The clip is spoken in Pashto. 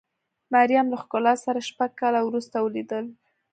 مریم له ښکلا سره شپږ کاله وروسته ولیدل.